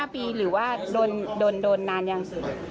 ๕ปีหรือว่าโดนนานยัง